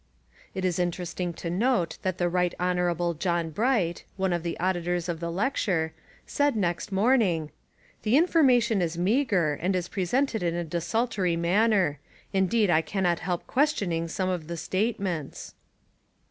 It is interesting to note that the Right Hon. John Bright, one of the auditors of the lecture, said next morning: "The information is meagre and is presented in a desultory manner: indeed I cannot help questioning some of the statements."